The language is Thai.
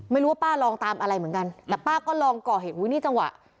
ไม่รู้ว่าป้าลองตามอะไรเหมือนกันแต่ป้าก็ลองก่อเหตุอุ้ยนี่จังหวะ